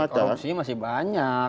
korupsi masih banyak